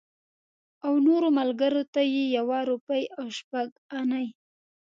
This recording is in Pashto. او نورو ملګرو ته یې یوه روپۍ او شپږ انې.